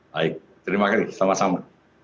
baik terima kasih sama sama